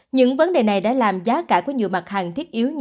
những vấn đề này đã làm giá cả của nhiều mặt hàng thiết yếu như